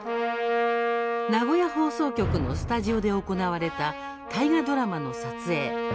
名古屋放送局のスタジオで行われた、大河ドラマの撮影。